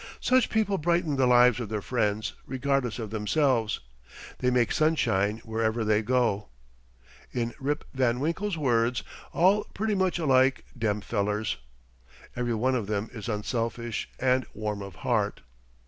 Such people brighten the lives of their friends, regardless of themselves. They make sunshine wherever they go. In Rip Van Winkle's words: "All pretty much alike, dem fellers." Every one of them is unselfish and warm of heart.